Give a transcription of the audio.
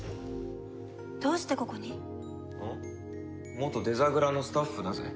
元デザグラのスタッフだぜ。